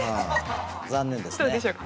残念ですね。